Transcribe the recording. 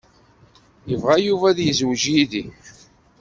Yebɣa Yuba ad yezweǧ yid-i.